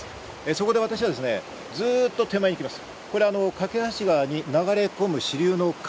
そこで私はずっと手前に来ます。